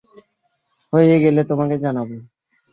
হয়ে গেলে তোমাকে জানাবো।